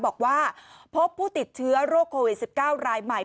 บอกว่าพบผู้ติดเชื้อโรคโควิด๑๙รายใหม่